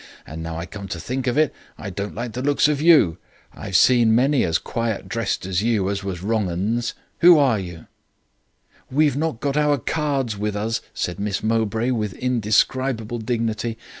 And now I come to think of it, I don't like the looks of you. I've seen many as quiet dressed as you as was wrong 'uns. Who are you?' "'We've not our cards with us,' said Miss Mowbray, with indescribable dignity.